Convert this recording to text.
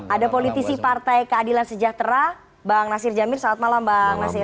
ada politisi partai keadilan sejahtera bang nasir jamir selamat malam bang nasir